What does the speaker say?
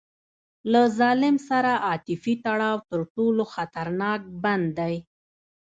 له ظالم سره عاطفي تړاو تر ټولو خطرناک بند دی.